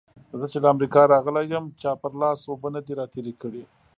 زه چې له امريکا راغلی يم؛ چا پر لاس اوبه نه دې راتېرې کړې.